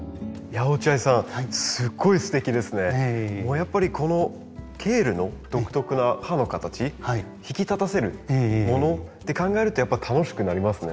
やっぱりこのケールの独特な葉の形引き立たせるものって考えるとやっぱ楽しくなりますね。